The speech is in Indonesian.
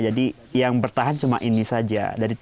jadi yang bertahan cuma ini saja